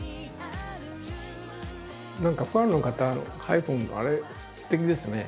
何かファンの方のハイフンのあれすてきですね。